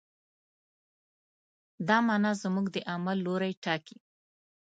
دا معنی زموږ د عمل لوری ټاکي.